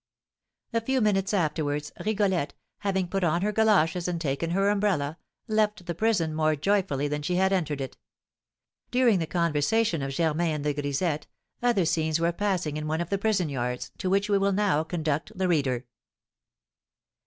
A few minutes afterwards, Rigolette, having put on her goloshes and taken her umbrella, left the prison more joyfully than she had entered it. During the conversation of Germain and the grisette, other scenes were passing in one of the prison yards, to which we will now conduct the reader.